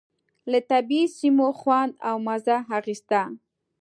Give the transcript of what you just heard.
له طبعي سیمو خوند او مزه اخيسته.